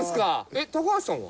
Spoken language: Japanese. えっ高橋さんは？